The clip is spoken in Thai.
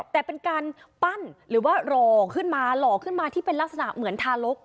แต่เป็นการปั้นหรือว่าหล่อขึ้นมาหล่อขึ้นมาที่เป็นลักษณะเหมือนทารก